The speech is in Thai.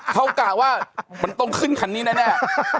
เขากะว่ามันต้องขึ้นคันนี้แน่